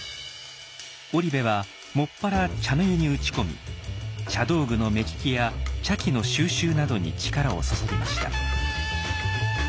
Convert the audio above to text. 織部は専ら茶の湯に打ち込み茶道具の目利きや茶器の収集などに力を注ぎました。